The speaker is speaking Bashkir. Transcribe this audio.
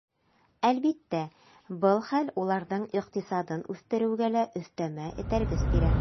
Әлбиттә, был хәл уларҙың иҡтисадын үҫтереүгә лә өҫтәмә этәргес бирә.